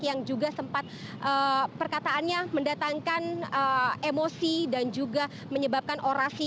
yang juga sempat perkataannya mendatangkan emosi dan juga menyebabkan orasi